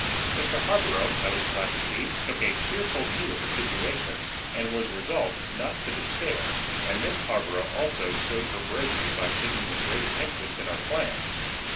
Mr. Harborough, I was glad to see, took a cheerful view of the situation, and was resolved not to despair; and Miss Harborough, also, showed her bravery by taking the greatest interest in our plans.